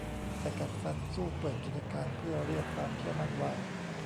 แต่กัดฟันสู้เปิดกิจการเพื่อเรียกความเชื่อมั่นว่า